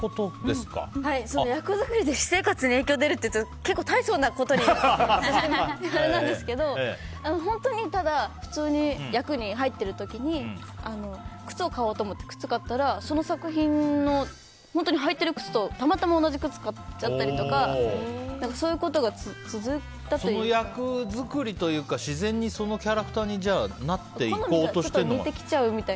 役作りで私生活に影響が出るっていうと結構、大層なことみたいなんですけど本当にただ普通に役に入っている時に靴を買おうと思って靴を買ったらその作品で履いている靴とたまたま同じ靴を買っちゃったりとかその役作りというか自然にそのキャラクターになっていこうとしてると？